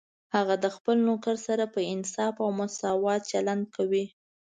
هغه د خپل نوکر سره په انصاف او مساوات چلند کوي